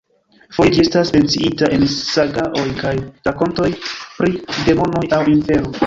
Foje ĝi estas menciita en sagaoj kaj rakontoj pri demonoj aŭ infero.